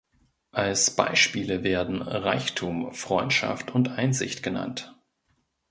Als Beispiele werden Reichtum, Freundschaft und Einsicht genannt.